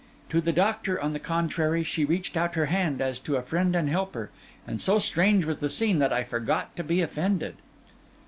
To the doctor, on the contrary, she reached out her hand as to a friend and helper; and so strange was the scene that I forgot to be offended.